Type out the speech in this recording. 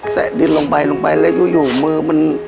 ะดินลงไปลงไปแล้วอยู่มือมัน